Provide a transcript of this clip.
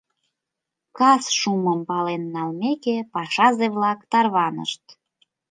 Кас шумым пален налмеке, пашазе-влак тарванышт.